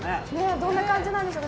どんな感じなんでしょうか。